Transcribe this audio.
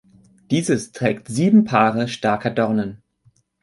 Dieses trägt sieben Paare starker Dornen.